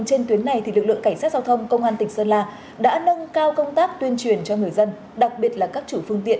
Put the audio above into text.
chủ nhật công an nhân dân